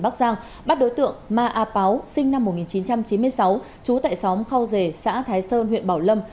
bắc giang bắt đối tượng ma a páo sinh năm một nghìn chín trăm chín mươi sáu trú tại xóm khao dề xã thái sơn huyện bảo lâm